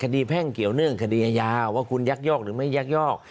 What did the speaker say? แพ่งเกี่ยวเนื่องคดีอาญาว่าคุณยักยอกหรือไม่ยักยอก